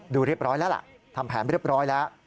ดูเรียบร้อยแล้วล่ะทำแผนเรียบร้อยแล้ว